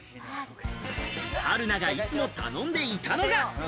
春菜が、いつも頼んでいたのが。